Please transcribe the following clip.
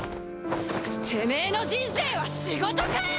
てめぇの人生は仕事かよ！